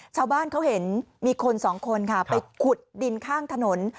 ชาวบ้านเขาเห็นมีคนสองคนค่ะไปขุดดินข้างถนน